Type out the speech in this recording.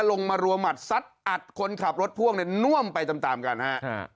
ลงมารัวหมัดซัดอัดคนขับรถพ่วงเนี่ยน่วมไปตามตามกันฮะ